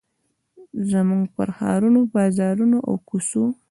زموږ پر ښارونو، بازارونو، او کوڅو